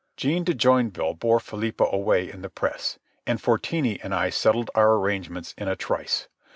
Jean de Joinville bore Philippa away in the press, and Fortini and I settled our arrangements in a trice.